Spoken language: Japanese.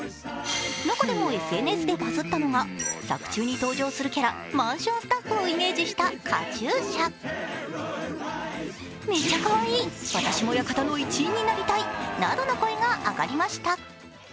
中でもＳＮＳでバズったのは作中に登場するキャラ、マンションスタッフをイメージしたカチューシャ。などの声が上がりました。